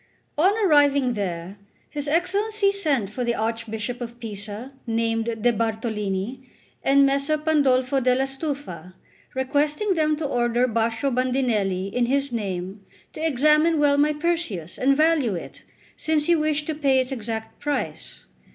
On arriving there, his Excellency sent for the Archbishop of Pisa, named De, Bartolini, and Messer Pandolfo della Stufa, requesting them to order Baccio Bandinelli, in his name, to examine well my Perseus and value it, since he wished to pay its exact price.